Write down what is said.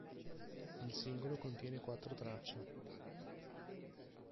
Il singolo contiene quattro tracce.